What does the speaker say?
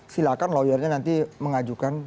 silakan lawyarnya nanti mengajukan